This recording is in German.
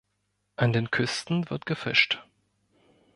An den Küsten wird gefischt.